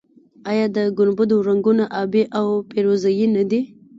آیا د ګنبدونو رنګونه ابي او فیروزه یي نه دي؟